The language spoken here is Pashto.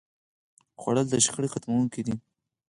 خوړل د شخړې ختموونکی دی